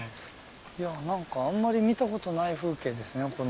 何かあんまり見たことない風景ですね。